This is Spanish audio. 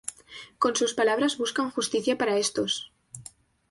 con sus palabras buscan justicia para estos